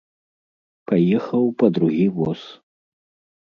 Паехаў па другі воз.